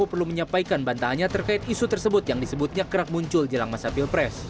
jokowi perlu menyampaikan bantahannya terkait isu tersebut yang disebutnya kerap muncul jelang masa pilpres